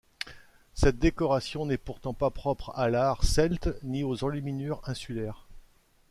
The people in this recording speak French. Cette décoration n'est pourtant pas propre à l'art celte ni aux enluminures insulaires.